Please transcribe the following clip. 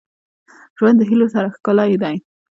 • ژوند د هيلو سره ښکلی دی.